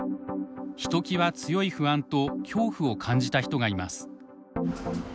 ひときわ強い不安と恐怖を感じた人がいます。